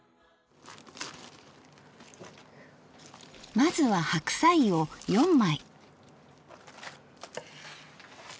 まずは白菜を４枚。